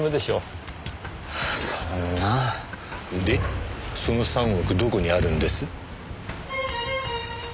でその３億どこにあるんです？